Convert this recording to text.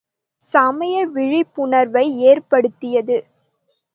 சமய விழிப்புணர்வை ஏற்படுத்தியது.